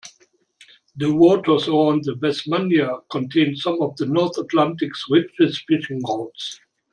The waters around the Vestmannaeyjar contain some of the North Atlantic's richest fishing grounds.